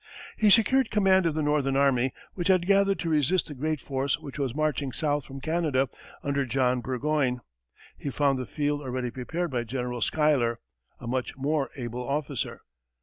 He secured command of the Northern army, which had gathered to resist the great force which was marching south from Canada under John Burgoyne. He found the field already prepared by General Schuyler, a much more able officer.